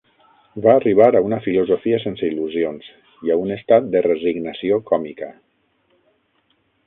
Va arribar a una filosofia sense il·lusions, i a un estat de resignació còmica.